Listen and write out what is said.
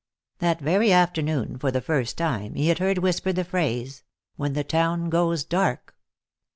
That very afternoon, for the first time, he had heard whispered the phrase: "when the town goes dark."